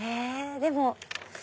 でも。